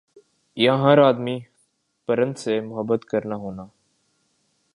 ہاں ہَر آدمی پرند سے محبت کرنا ہونا